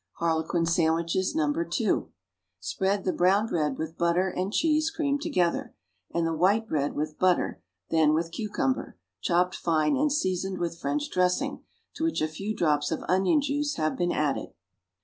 =Harlequin Sandwiches, No. 2.= Spread the brownbread with butter and cheese creamed together, and the white bread with butter, then with cucumber, chopped fine and seasoned with French dressing, to which a few drops of onion juice have been added.